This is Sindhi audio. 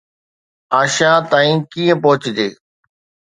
آشيان تائين ڪيئن پهچجي؟